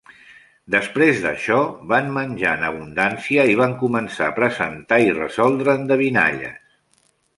Després d'això van menjar en abundància i van començar a presentar i resoldre endevinalles.